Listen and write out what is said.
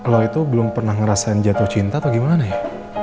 kalau itu belum pernah ngerasain jatuh cinta atau gimana ya